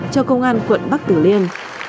cho công an quận bắc từ điêm